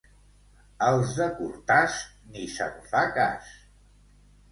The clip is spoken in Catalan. Als de Cortàs, ni se'n fa cas.